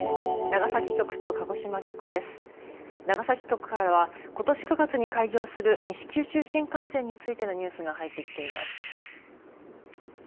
長崎局からはことし９月に開業する西九州新幹線についてニュースが入ってきています。